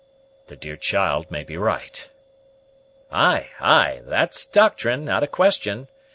The dear child may be right." "Ay, ay, that's doctrine, out of question.